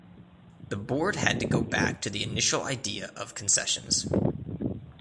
The board had to go back to the initial idea of concessions.